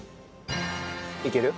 いける？